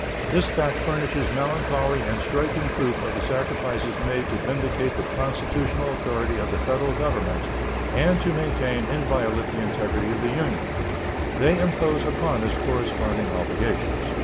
This fact furnishes melancholy and striking proof of the sacrifices made to vindicate the constitutional authority of the Federal Government and to maintain inviolate the integrity of the Union They impose upon us corresponding obligations.